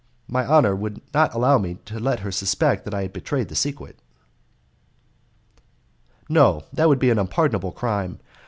my honour would not allow me to let her suspect that I had betrayed the secret." "No, that would be an unpardonable crime.